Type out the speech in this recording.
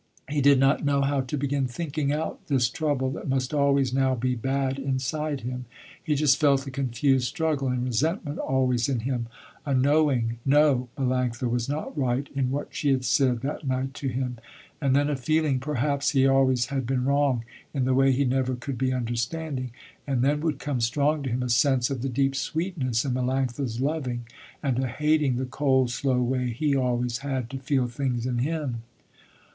He did not know how to begin thinking out this trouble that must always now be bad inside him. He just felt a confused struggle and resentment always in him, a knowing, no, Melanctha was not right in what she had said that night to him, and then a feeling, perhaps he always had been wrong in the way he never could be understanding. And then would come strong to him, a sense of the deep sweetness in Melanctha's loving and a hating the cold slow way he always had to feel things in him.